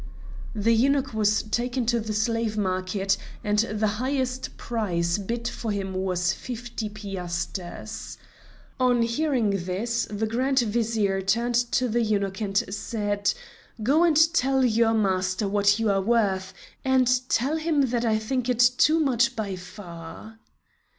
The eunuch was taken to the slave market, and the highest price bid for him was fifty piasters. On hearing this, the Grand Vizier turned to the eunuch and said: "Go and tell your master what you are worth, and tell him that I think it too much by far."